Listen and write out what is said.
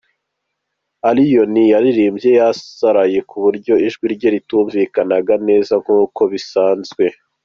Allioni yaririmbye yasaraye ku buryo ijwi rye ritumvikanaga neza nk’uko bisanzwe.